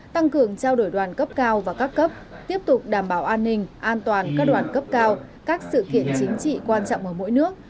tăng cường trao đổi đoàn cấp cao và các cấp tiếp tục đảm bảo an ninh an toàn các đoàn cấp cao các sự kiện chính trị quan trọng ở mỗi nước